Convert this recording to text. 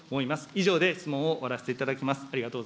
以上で質問を終わらせていただきます。